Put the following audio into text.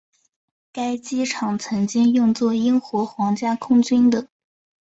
该机场曾经用作英国皇家空军的。